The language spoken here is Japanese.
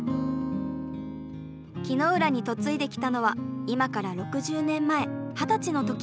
木ノ浦に嫁いできたのは今から６０年前二十歳の時。